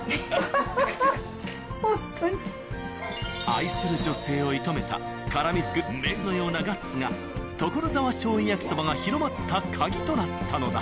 愛する女性を射止めたからみつく麺のようなガッツがところざわ醤油焼きそばが広まったカギとなったのだ。